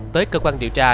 tới cơ quan điều tra